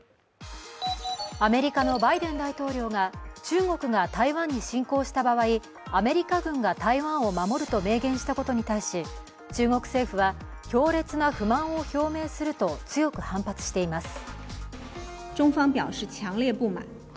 アメリカのバイデン大統領が中国が台湾に侵攻した場合アメリカ軍が台湾を守ると明言したことに対し、中国政府は、強烈な不満を表明すると強く反発しています。